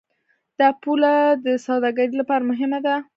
دا پوله د سوداګرۍ لپاره مهمه ده.